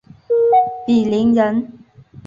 鄙陵人。